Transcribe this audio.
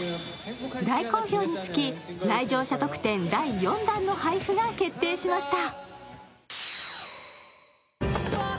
大好評につき来場者特典第４弾の配布が決定しました。